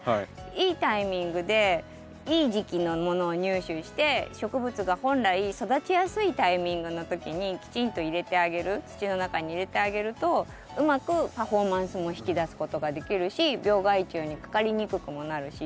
いいタイミングでいい時期のものを入手して植物が本来育ちやすいタイミングの時にきちんと入れてあげる土の中に入れてあげるとうまくパフォーマンスも引き出すことができるし病害虫にかかりにくくもなるし。